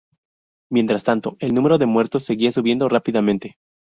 Mientras tanto, el número de muertos seguía subiendo rápidamente.